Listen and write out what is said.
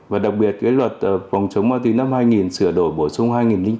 và đặc biệt cái luật phòng chống ma túy năm hai nghìn sửa đổi bổ sung hai nghìn bốn